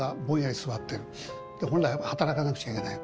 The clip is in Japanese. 本来働かなくちゃいけない。